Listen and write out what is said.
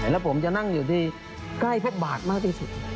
แล้วผมจะนั่งอยู่ที่ใกล้พวกบาทมากที่สุด